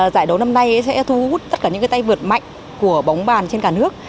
giải đấu năm nay sẽ thu hút tất cả những tay vượt mạnh của bóng bàn trên cả nước